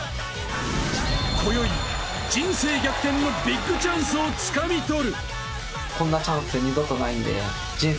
こよい、人生逆転のビッグチャンスをつかみ取る。